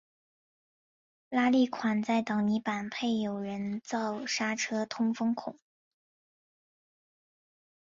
拉力款在挡泥板配有人造刹车通风孔。